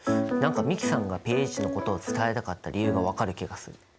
何か美樹さんがｐＨのことを伝えたかった理由が分かる気がする。